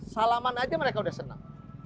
salaman aja mereka udah senang